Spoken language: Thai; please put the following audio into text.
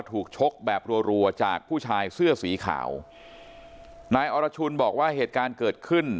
ชกแบบรัวจากผู้ชายเสื้อสีขาวนายอรชุนบอกว่าเหตุการณ์เกิดขึ้น